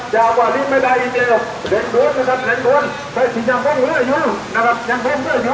สวัสดีครับ